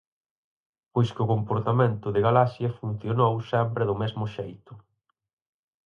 Pois que o comportamento de Galaxia funcionou sempre do mesmo xeito.